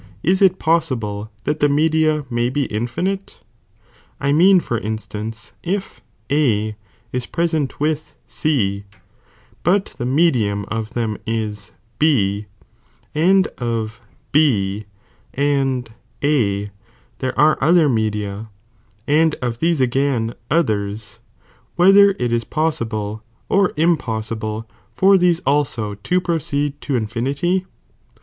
™* is it possible that the media may be infinite ? I mean, for instance, if A ia present with C, but the medium of them is B, and of B and A thei'e are olher media, and of these again others, whether it ia possible or impossible for these abo to proceed to infinity